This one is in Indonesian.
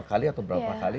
kali atau berapa kali